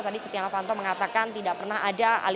tadi setia novanto mengatakan tidak pernah ada